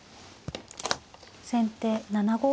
先手７五歩。